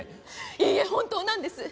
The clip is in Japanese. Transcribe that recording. いいえホントなんです。